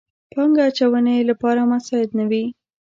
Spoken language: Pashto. پانګه اچونې لپاره مساعد نه وي.